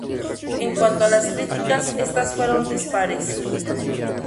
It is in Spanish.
En cuanto a las críticas, estas fueron dispares.